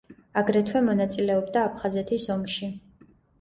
აგრეთვე მონაწილეობდა აფხაზეთის ომში.